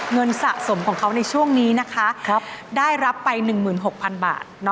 เงินสะสมของเขาในช่วงนี้นะคะได้รับไป๑๖๐๐๐บาท